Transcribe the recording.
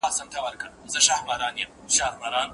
د قسم اصطلاحي تعریف جرجاني څنګه کړی دی؟